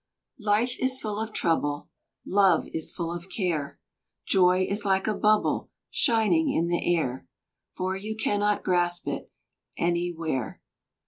Life is full of trouble, Love is full of care, Joy is like a bubble Shining in the air, For you cannot Grasp it anywhere.